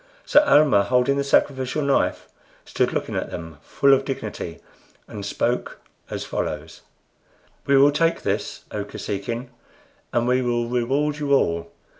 So Almah, holding the sacrificial knife, stood looking at them, full of dignity, and spoke as follows: "We will take this, O Kosekin, and we will reward you all.